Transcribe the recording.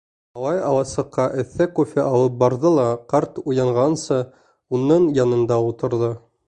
Малай аласыҡҡа эҫе кофе алып барҙы ла ҡарт уянғансы уның янында ултырҙы.